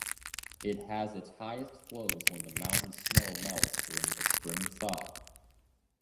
It has its highest flows when the mountain snow melts during the spring thaw.